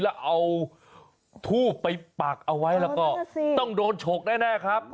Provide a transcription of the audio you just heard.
แล้วเอาทูบไปปักเอาไว้แล้วก็ต้องโดนฉกแน่ครับ